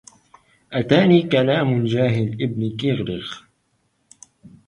أتاني كلام الجاهل ابن كيغلغ